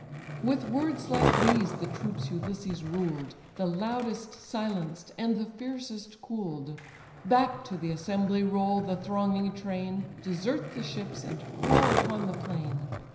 With words like these the troops Ulysses ruled, The loudest silenced, and the fiercest cool'd. Back to the assembly roll the thronging train, Desert the ships, and pour upon the plain.